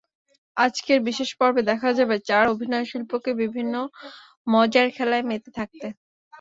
আজকের বিশেষ পর্বে দেখা যাবে চার অভিনয়শিল্পীকে বিভিন্ন মজার খেলায় মেতে থাকতে।